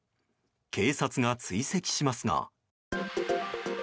警察が追跡しますが。